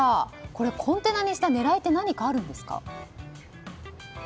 これ、コンテナにした狙いって何かありますか。